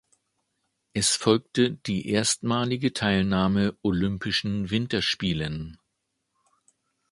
Es folgte die erstmalige Teilnahme Olympischen Winterspielen.